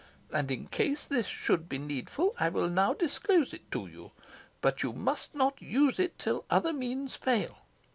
And in case this should be needful, I will now disclose it to you, but you must not use it till other means fail.